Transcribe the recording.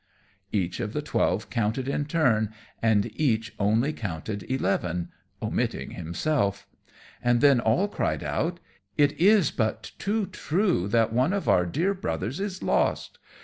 Each of the twelve counted in turn, and each only counted eleven, omitting himself; and then all cried out, "It is but too true that one of our dear brothers is lost!